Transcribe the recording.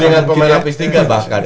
dengan tiga lapis tiga bahkan